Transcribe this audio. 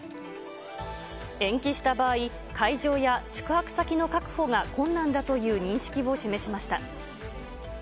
延期した場合、会場や宿泊先の確保が困難だという認識を示しました。